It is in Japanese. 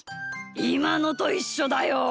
いまのといっしょだよ。